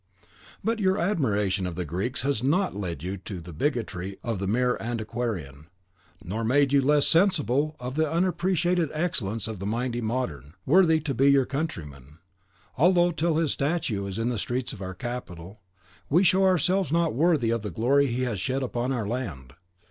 But your admiration of the Greeks has not led you to the bigotry of the mere antiquarian, nor made you less sensible of the unappreciated excellence of the mighty modern, worthy to be your countryman, though till his statue is in the streets of our capital, we show ourselves not worthy of the glory he has shed upon our land.